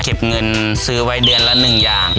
เก็บเงินซื้อไว้เดือนละ๑อย่าง